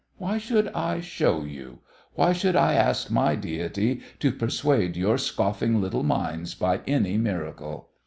Why should I show you? Why should I ask my deity to persuade your scoffing little minds by any miracle?